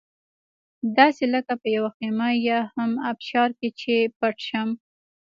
داسې لکه په یوه خېمه یا هم ابشار کې چې پټ شم.